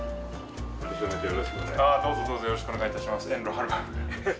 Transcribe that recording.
今年もよろしくお願いします。